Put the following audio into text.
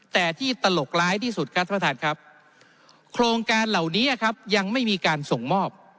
แต่ที่ตลกร้ายที่สุดครับท่านประธานครับโครงการเหล่านี้ครับยังไม่มีการส่งมอบ